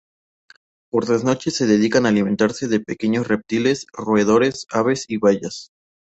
Por las noches se dedican a alimentarse de pequeños reptiles, roedores, aves, y bayas.